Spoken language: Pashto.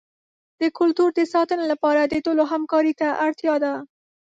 د کلتور د ساتنې لپاره د ټولو همکارۍ ته اړتیا ده.